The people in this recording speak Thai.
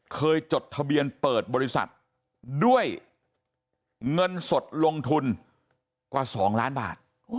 จดทะเบียนเปิดบริษัทด้วยเงินสดลงทุนกว่า๒ล้านบาท